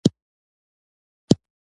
سندرو ته يې وبللم .